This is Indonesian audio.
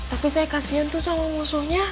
tapi saya kasian tuh sama musuhnya